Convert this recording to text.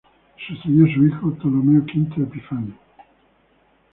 Le sucedió su hijo Ptolomeo V Epífanes.